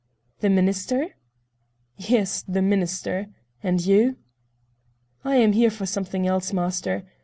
"The Minister?" "Yes, the Minister. And you?" "I am here for something else, master.